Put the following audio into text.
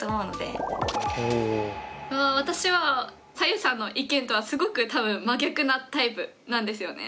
あ私はさゆさんの意見とはすごく多分真逆なタイプなんですよね。